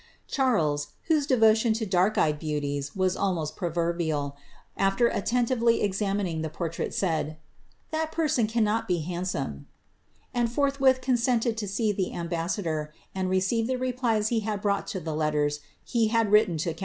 ^ Charles, whose devotion to dark eyed beauties was almost proverbiili .^ afler attentively examining the portrait, said, ^ That peraon cannot be unhandsome;" and forthwith consented to see the ambassador, tod receive the replies he had brought to the lettere he had written to Cbths